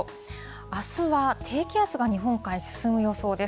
あすは低気圧が日本海、進む予想です。